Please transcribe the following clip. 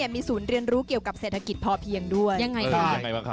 มีศูนย์เรียนรู้เกี่ยวกับเศรษฐกิจพอเพียงด้วย